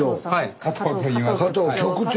加藤局長。